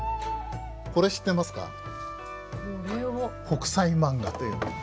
「北斎漫画」という。